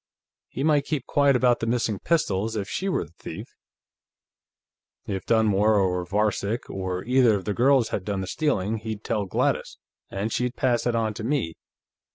He might keep quiet about the missing pistols if she were the thief; if Dunmore, or Varcek, or either of the girls had done the stealing, he'd tell Gladys, and she'd pass it on to me.